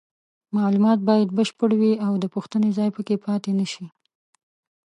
معلومات باید بشپړ وي او د پوښتنې ځای پکې پاتې نشي.